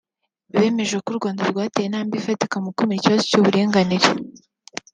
bemeje ko u Rwanda rwateye intambwe ifatika mu gukemura ikibazo cy’uburinganire